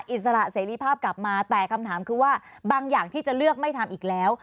อิสระเสรีภาพกลับมาแต่คำถามคือว่าบางอย่างที่จะเลือกไม่ทำอีกแล้ว